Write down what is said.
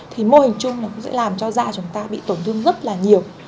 thì mô hình chung nó cũng sẽ làm cho da chúng ta bị tổn thương rất là nhiều